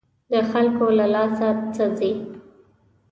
د خلکو له لاسه څه ځي.